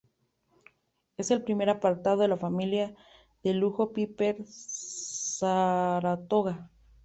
Es el primer aparato de la familia de lujo Piper Saratoga.